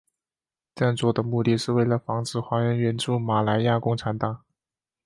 这样做的目的是为了防止华人援助马来亚共产党。